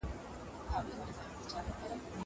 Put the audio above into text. زه مخکي ځواب ليکلی و!